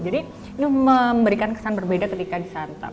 jadi ini memberikan kesan berbeda ketika disantap